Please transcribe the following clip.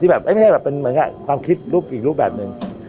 แบบไม่ใช่แบบเป็นเหมือนกับความคิดอีกรูปแบบหนึ่ง